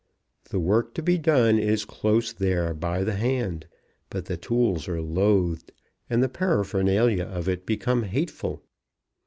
The work to be done is close there by the hand, but the tools are loathed, and the paraphernalia of it become hateful.